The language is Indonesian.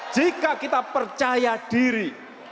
jika kita percaya diri